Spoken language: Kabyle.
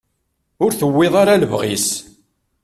Ur tewwiḍ ara lebɣi-s.